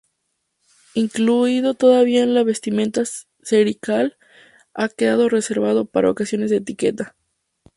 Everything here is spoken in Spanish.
Incluido todavía en la vestimenta clerical, ha quedado reservado para ocasiones de etiqueta.